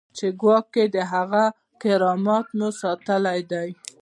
چې ګواکې د هغه کرامت مو ساتلی دی.